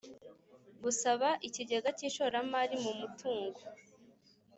Gusaba ikigega cy ishoramari mu mutungo